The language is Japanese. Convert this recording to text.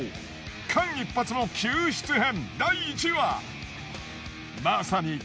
間一髪の救出編！